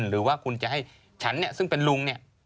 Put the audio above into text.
หรือว่าคุณจะให้ฉันเนี่ยซึ่งเป็นลุงเนี่ย